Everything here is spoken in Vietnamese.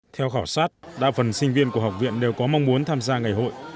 theo khảo sát đa phần sinh viên của học viện đều có mong muốn tham gia ngày hội